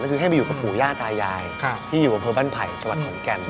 ก็คือให้ไปอยู่กับผู้ย่าตายายที่อยู่บนโพยบ้านไผ่ชาวภัทรขนแก่น